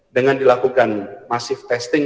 dengan dilakukan masif testing